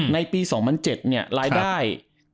ในปี๒๐๐๗เนี่ยรายได้